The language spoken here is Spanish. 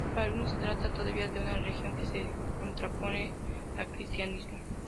Para algunos, se trata todavía de una religión que se contrapone al cristianismo.